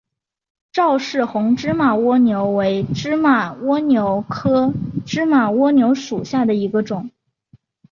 赵氏红芝麻蜗牛为芝麻蜗牛科芝麻蜗牛属下的一个种。